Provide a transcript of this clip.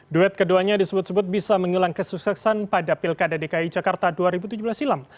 duet keduanya disebut sebut bisa mengulang kesuksesan pada pilkada dki jakarta dua ribu tujuh belas silam